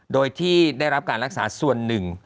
โดยที่ได้รับการรักษาส่วนหนึ่ง